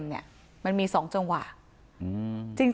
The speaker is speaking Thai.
จริงเค้าเบิ้ลเครื่องก็ไม่ใช่ว่าจะต้องไปซ้อมเค้านะ